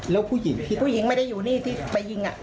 แล้วผู้หญิงที่ผู้หญิงไม่ได้อยู่นี่ที่ไปยิง